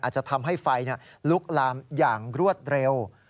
อาจจะทำให้ไฟลุกลามอย่างรวดเร็ว